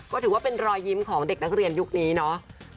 ก็ถือว่าเป็นรอยยิ้มของเด็กนักเรียนยุคนี้เนาะ